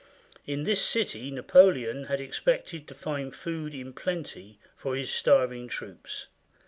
In this city Napoleon had expected to find food in plenty for his starving troops.